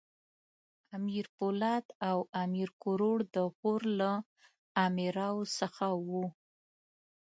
امیر پولاد او امیر کروړ د غور له امراوو څخه وو.